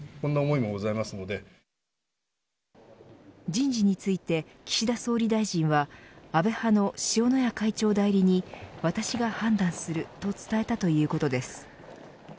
人事について岸田総理大臣は安倍派の塩谷会長代理に私が判断すると伝えたということです。